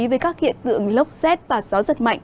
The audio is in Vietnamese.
về các hiện tượng lốc xét và gió rất mạnh